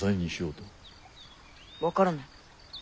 分からない。